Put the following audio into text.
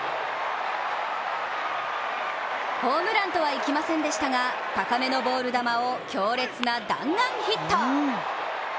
ホームランとはいきませんでしたが高めのボール球を強烈な弾丸ヒット。